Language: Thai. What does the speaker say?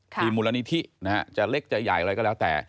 คือมูลนิธินะฮะจะเล็กจะใหญ่อะไรก็แล้วแต่